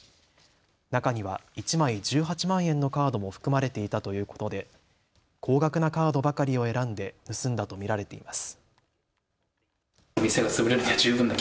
中には１枚１８万円のカードも含まれていたということで高額なカードばかりを選んで盗んだと見られています。